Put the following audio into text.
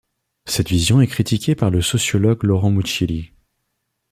Cette vision est critiquée par le sociologue Laurent Mucchielli.